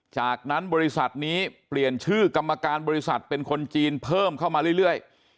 จากนั้นบริษัทนี้เปลี่ยนชื่อกรรมการบริษัทเป็นคนจีนเพิ่มเข้ามาเรื่อย